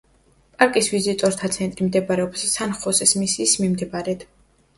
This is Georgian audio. პარკის ვიზიტორთა ცენტრი მდებარეობს სან-ხოსეს მისიის მიმდებარედ.